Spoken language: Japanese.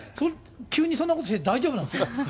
急にそんなことして、大丈夫なんですか？